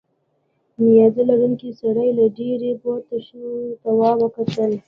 نیزه لرونکی سړی له ډبرې پورته شو تواب وکتل.